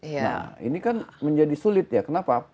nah ini kan menjadi sulit ya kenapa